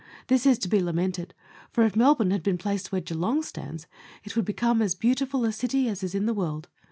This is to be lamented, for if Melbourne had been placed where Geelong stands, it would become as beauti ful a city as is in the world.